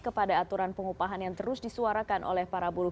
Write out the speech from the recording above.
kepada aturan pengupahan yang terus disuarakan oleh para buruh